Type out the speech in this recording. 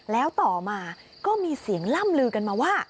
แล้วต่อมาก็มีเสียงล่ำลือกันมาว่า